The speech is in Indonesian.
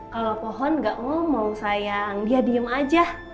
kalau pohon gak ngomong sayang dia diem aja